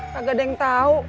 kagak ada yang tau